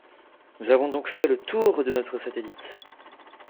Nous avons donc fait le tour de notre satellite !